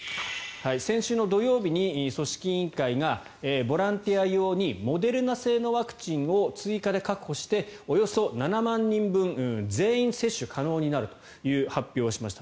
先週の土曜日に組織委員会がボランティア用にモデルナ製のワクチンを追加で確保しておよそ７万人分全員接種可能になるという発表をしました。